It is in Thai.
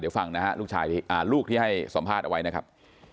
เดี๋ยวฟังนะครับลูกที่ให้สอบภาษณ์เอาไว้นะครับ